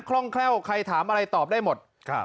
ร่องแคล่วใครถามอะไรตอบได้หมด